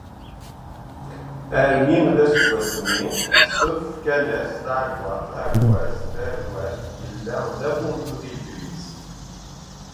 Armi d taseggas-nni, aḥasef afekkan s tɣeggaḍt, aεekkaz, tahrawt, yella d amurdu deg Legliz.